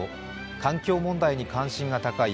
環境問題に関心が高い